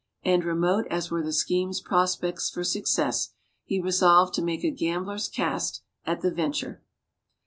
And, remote as were the scheme's prospects for success, he resolved to make a gambler's cast at the venture.